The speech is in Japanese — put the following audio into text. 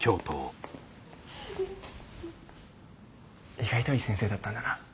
意外といい先生だったんだな。